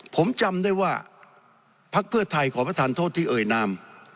ผมจำได้ว่าพักเพื่อไทยขอประทานโทษที่เอ่ยนาม